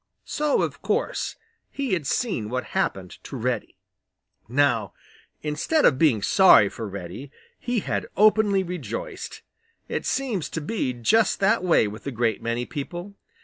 So, of course, he had seen what happened to Reddy. Now, instead of being sorry for Reddy, he had openly rejoiced. It seems to be just that way with a great many people.